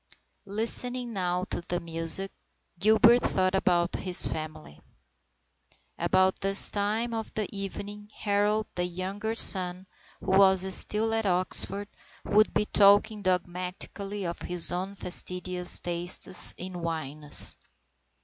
Listening now to the music, Gilbert thought about his family. About this time of the evening Harold, the younger son, who was still at Oxford, would be talking dogmatically of his own fastidious tastes in wines.